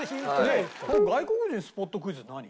この外国人スポットクイズって何？